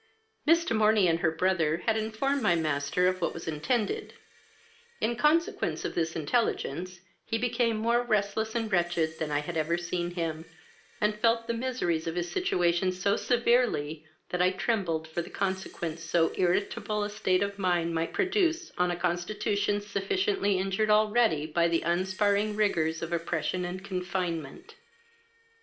"Miss De Morney and her brother had informed my master of what was intended; in consequence of this intelligence, he became more restless and wretched than I had ever seen him, and felt the miseries of his situation so severely, that I trembled for the consequence so irritable a state of mind might produce on a constitution sufficiently injured already by the unsparing rigours of oppression and confinement.